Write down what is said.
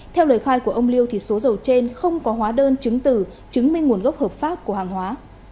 theo lời khai của ông liêu thì số dầu trên không có hóa đơn chứng từ chứng minh nguồn gốc hợp pháp của hàng hóa